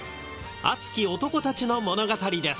熱き男たちの物語です。